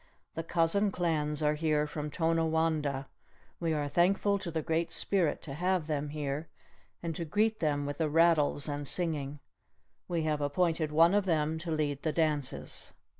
The cousin clans are here from Tonawanda; we are thankful to the Great Spirit to have them here, and to greet them with the rattles and singing. We have appointed one of them to lead the dances."